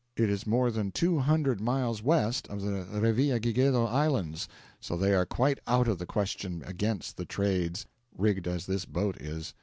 It is more than two hundred miles west of the Revillagigedo Islands, so they are quite out of the question against the trades, rigged as this boat is.